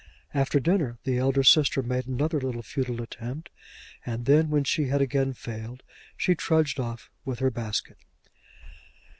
After dinner the elder sister made another little futile attempt, and then, when she had again failed, she trudged off with her basket.